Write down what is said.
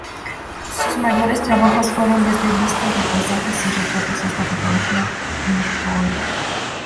Sus mayores trabajos fueron desde vistas de paisajes y retratos hasta fotografía mortuoria.